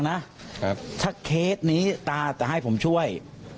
บอกเลยฟังนะถ้าเคสนี้ตาจะให้ผมช่วย